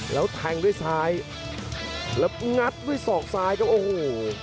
แล้วแทงด้วยซ้ายแล้วงัดด้วยศอกซ้ายครับโอ้โห